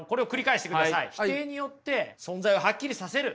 否定によって存在をハッキリさせる。